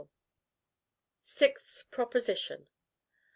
SIXTH PROPOSITION.